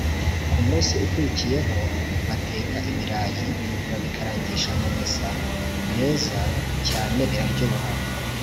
Ku munsi ukurikiyeho bateka ibirayi babikarangisha amamesa meza cyane biraryoha